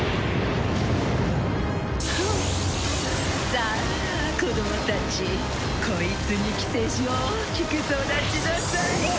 さあ子供たちこいつに寄生し大きく育ちなさい。